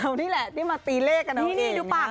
เรานี่แหละที่มาตีเลขกันเอาเอง